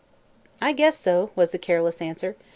"I guess so," was the careless answer.